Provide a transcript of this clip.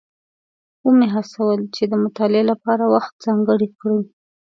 ومې هڅول چې د مطالعې لپاره وخت ځانګړی کړي.